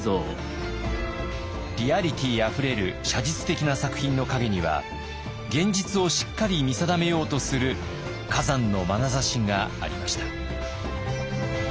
リアリティーあふれる写実的な作品の陰には現実をしっかりと見定めようとする崋山の眼差しがありました。